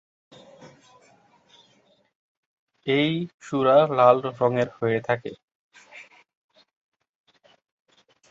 এই সুরা লাল রঙের হয়ে থাকে।